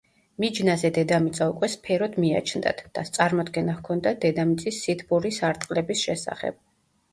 მიჯნაზე დედამიწა უკვე სფეროდ მიაჩნდათ და წარმოდგენა ჰქონდათ დედამიწის სითბური სარტყლების შესახებ.